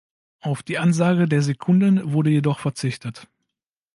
Auf die Ansage der Sekunden wurde jedoch verzichtet.